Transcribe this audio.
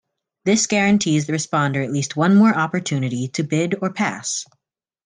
This guarantees the responder at least one more opportunity to bid or pass.